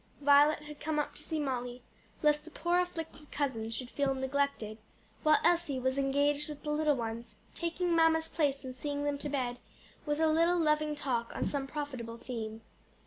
'" Violet had come up to see Molly, lest the poor afflicted cousin should feel neglected, while Elsie was engaged with the little ones taking mamma's place in seeing them to bed with a little loving talk on some profitable theme.